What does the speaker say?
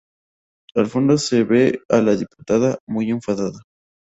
Al fondo se ve a la diputada, muy enfadada.